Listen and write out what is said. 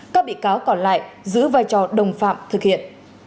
các bị cáo còn lại giữ vai trò đồng phạm thực hiện